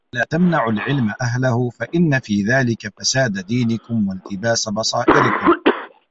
لَا تَمْنَعُوا الْعِلْمَ أَهْلَهُ فَإِنَّ فِي ذَلِكَ فَسَادَ دِينِكُمْ وَالْتِبَاسَ بَصَائِرِكُمْ